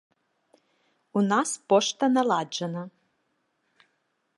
У нас пошта наладжана.